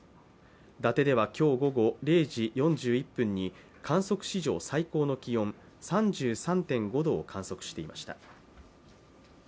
伊達では今日午後０時４１分に観測史上最高の気温３３．５度を観測していました。